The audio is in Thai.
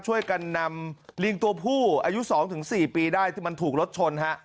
ช่วยกันนำลิงตัวผู้อายุ๒๔ปีได้ที่มันถูกรถชนฮะ